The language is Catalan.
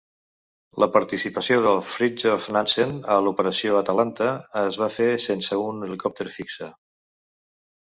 La participació del "Fridtjof Nansen" a l'Operació Atalanta es va fer sense un helicòpter fixe.